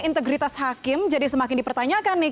integritas hakim jadi semakin dipertanyakan nih